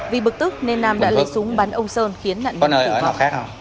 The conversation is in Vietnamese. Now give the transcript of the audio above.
vì bực tức nên nam đã lấy súng bắn ông sơn khiến nạn nhân tù vọng